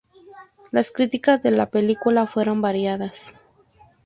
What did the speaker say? Las críticas de la película fueron variadas.